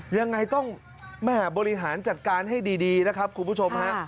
ยังไงต้องบริหารจัดการให้ดีนะครับคุณผู้ชมฮะ